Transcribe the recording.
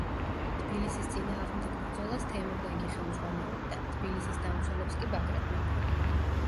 თბილისის წინააღმდეგ ბრძოლას თემურლენგი ხელმძღვანელობდა, თბილისის დამცველებს კი ბაგრატ მეფე.